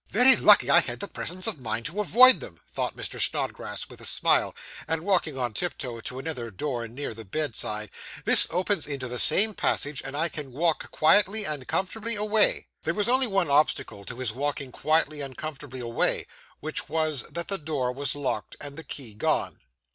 'Very lucky I had the presence of mind to avoid them,' thought Mr. Snodgrass with a smile, and walking on tiptoe to another door near the bedside; 'this opens into the same passage, and I can walk quietly and comfortably away.' There was only one obstacle to his walking quietly and comfortably away, which was that the door was locked and the key gone.